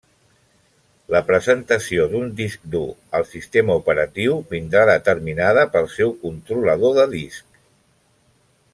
La presentació d'un disc dur al sistema operatiu vindrà determinada pel seu controlador de disc.